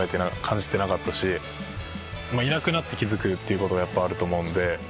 いなくなって気づくっていう事がやっぱあると思うんで。